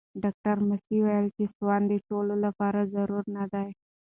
ډاکټره ماسي وویل چې سونا د ټولو لپاره ضروري نه ده.